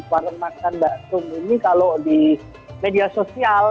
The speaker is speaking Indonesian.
warung makan mbak tum ini kalau di media sosial